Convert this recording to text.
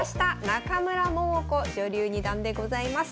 中村桃子女流二段でございます。